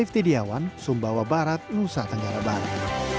mediawan sumbawa barat nusa tenggara barat